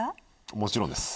もちろんです。